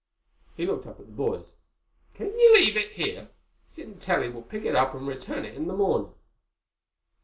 He looked up at the boys. "Can you leave it here? Sintelli will pick it up and return it in the morning."